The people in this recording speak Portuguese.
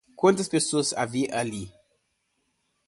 Quantas pessoas haviam ali?